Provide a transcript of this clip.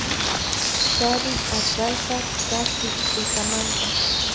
Kari atallpa takik tutamanta